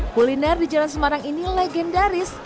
kuliner di jalan semarang ini legendaris